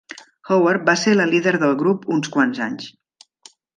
Howard va ser la líder del grup uns quants anys.